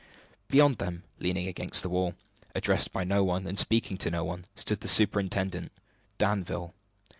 Beyond them, leaning against the wall, addressed by no one, and speaking to no one, stood the superintendent, Danville.